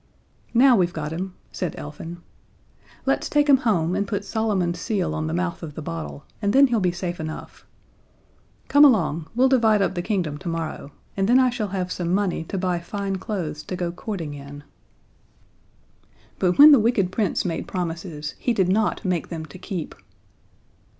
"Now we've got him," said Elfin. "Let's take him home and put Solomon's seal on the mouth of the bottle, and then he'll be safe enough. Come along we'll divide up the kingdom tomorrow, and then I shall have some money to buy fine clothes to go courting in." But when the wicked Prince made promises he did not make them to keep.